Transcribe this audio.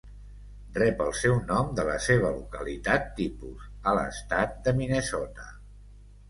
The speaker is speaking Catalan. Rep el seu nom de la seva localitat tipus, a l'estat de Minnesota.